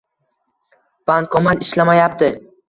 Bankomat ishlamayapti